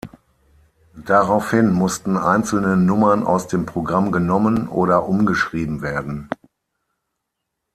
Daraufhin mussten einzelne Nummern aus dem Programm genommen oder umgeschrieben werden.